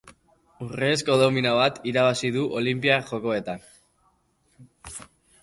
Urrezko domina bat irabazi du Olinpiar Jokoetan.